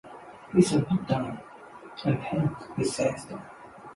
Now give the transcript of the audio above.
This was not done, and hence the disaster.